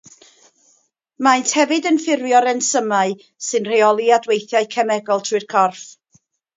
Maent hefyd yn ffurfio'r ensymau sy'n rheoli adweithiau cemegol trwy'r corff.